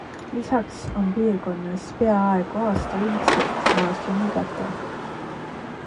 Lisaks on piirkonnas peaaegu aastaringselt maas lumikate.